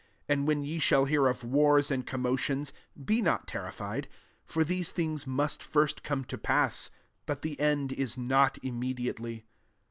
9 And when ye shall hear of wars and commotions, be not terrified : for these things must first come to pass ; but the end U not im mediately."